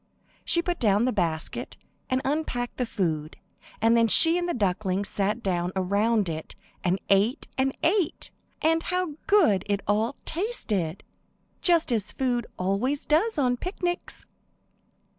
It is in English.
She put down the basket, and unpacked the food, and then she and the ducklings sat down around it, and ate and ate. And how good it all tasted! Just as food always does on picnics.